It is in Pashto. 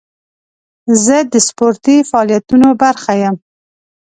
زه د سپورتي فعالیتونو برخه یم.